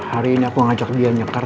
hari ini aku ngajak dia nyekar